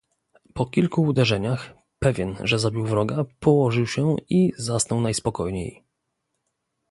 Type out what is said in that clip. "Po kilku uderzeniach, pewien, że zabił wroga, położył się i zasnął najspokojniej."